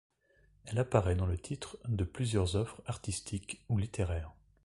Elle apparaît dans le titre de plusieurs œuvres artistiques ou littéraires.